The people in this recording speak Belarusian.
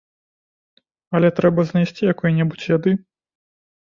Але трэба знайсці якой-небудзь яды.